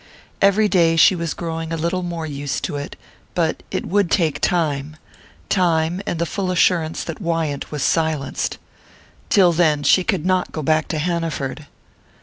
Every day she was growing a little more used to it; but it would take time time, and the full assurance that Wyant was silenced. Till then she could not go back to Hanaford.